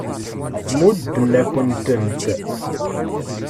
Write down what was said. Mudden-akent-tent.